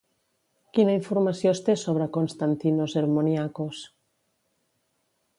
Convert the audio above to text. Quina informació es té sobre Konstantinos Hermoniakos?